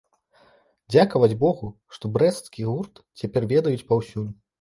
Дзякаваць богу, што брэсцкі гурт цяпер ведаюць паўсюль!